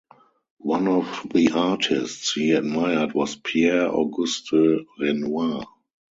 One of the artists he admired was Pierre-Auguste Renoir.